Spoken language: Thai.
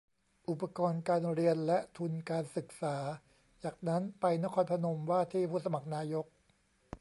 อุปกรณ์การเรียน และ ทุนการศึกษา จากนั้นไปนครพนม ว่าที่ผู้สมัครนายก